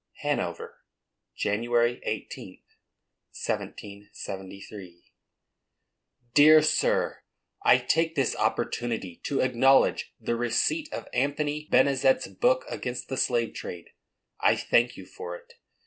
Hanover, January 18th, 1773. DEAR SIR: I take this opportunity to acknowledge the receipt of Anthony Benezet's book against the slave trade; I thank you for it.